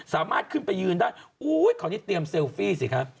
สามารถขึ้นไปยืนได้ขอที่เตรียมเซลฟี่สิครับ